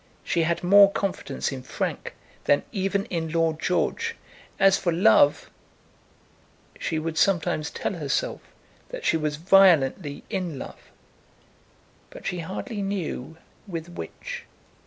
She had more confidence in Frank than even in Lord George. As for love, she would sometimes tell herself that she was violently in love; but she hardly knew with which.